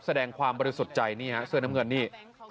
แสดงความบริสุทธิ์ใจนี่ฮะเสื้อน้ำเงินนี่